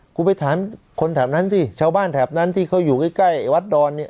คุณไปถามคนแถบนั้นสิชาวบ้านแถบนั้นที่เขาอยู่ใกล้วัดดอนเนี่ย